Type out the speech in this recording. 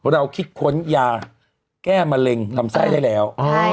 เราคิดค้นยาแก้มะเร็งลำไส้ได้แล้ว